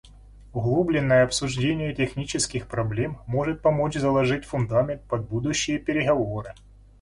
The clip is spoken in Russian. Углубленное обсуждение технических проблем может помочь заложить фундамент под будущие переговоры.